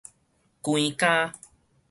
關監